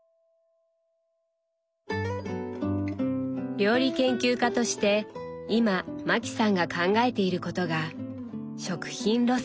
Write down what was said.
料理研究家として今マキさんが考えていることが「食品ロス」。